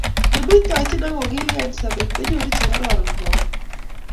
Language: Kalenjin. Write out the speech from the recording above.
Nemuitochini ako kilkei eng sobet, konyoru chekororon karon.